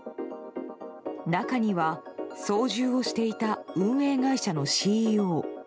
中には操縦をしていた運営会社のＣＥＯ